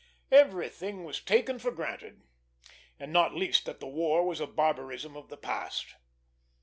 Everything was taken for granted, and not least that war was a barbarism of the past.